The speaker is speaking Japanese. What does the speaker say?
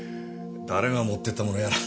誰が持ってったものやら。